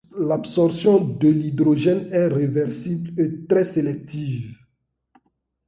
L'absorption de l'hydrogène est réversible et très sélective.